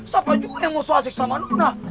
siapa juga yang mau sok asik sama nuna